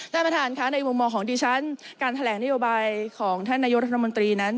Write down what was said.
ท่านประธานค่ะในมุมมองของดิฉันการแถลงนโยบายของท่านนายกรัฐมนตรีนั้น